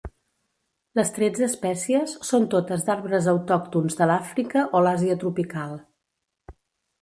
Les tretze espècies són totes d'arbres autòctons de l'Àfrica o l'Àsia tropical.